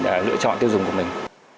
và lựa chọn tiêu dùng của mình